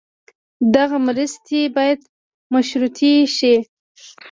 دغه مرستې باید مشروطې شي.